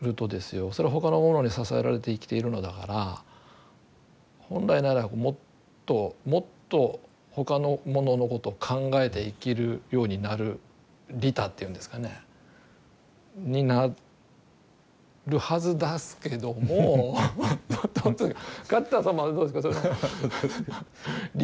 それは他のものに支えられて生きているのだから本来ならもっともっと他のもののことを考えて生きるようになる利他っていうんですかねになるはずですけども梶田様はどうですかその利他になれますか。